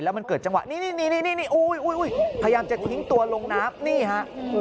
มันเกิดจังหวะนี้นี่พยายามจะทิ้งตัวลงน้ำนี่ฮะ